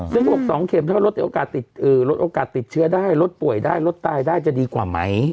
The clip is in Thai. ซึ่งเขาบอก๒เข็มถ้าลดโอกาสลดโอกาสติดเชื้อได้ลดป่วยได้ลดตายได้จะดีกว่าไหม